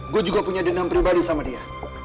gue juga punya dendam pribadi sama dia